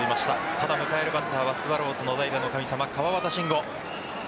ただ、迎えるバッターはスワローズの代打の神様川端慎吾。